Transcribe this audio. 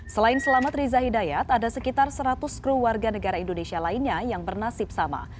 selain selamat riza hidayat ada sekitar seratus kru warga negara indonesia lainnya yang bernasib sama